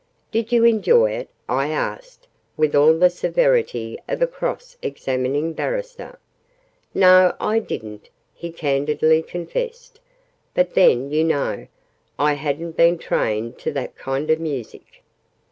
"Did you enjoy it? I asked, with all the severity of a cross examining barrister. "No, I didn't!" he candidly confessed. "But then, you know, I hadn't been trained to that kind of music!"